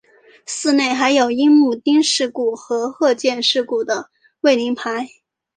寺内还有樱木町事故和鹤见事故的慰灵碑。